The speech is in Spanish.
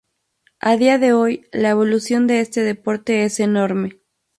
A día de hoy la evolución de este deporte es enorme.